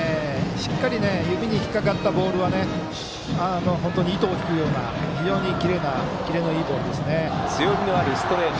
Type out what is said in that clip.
しっかり指にかかったボールは本当に糸を引くような非常にキレのいい強みのあるストレート。